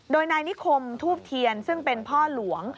โดยนายนิคมทูบเทียนซึ่งเป็นพ่อหลวง